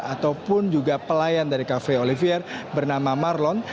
ataupun juga pelayan dari cafe olivier bernama marlon